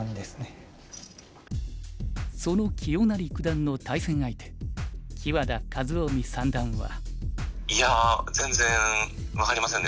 その清成九段の対戦相手木和田一臣三段は。